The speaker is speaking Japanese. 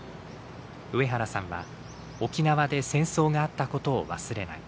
上原さんは「沖縄で戦争があったことを忘れない」。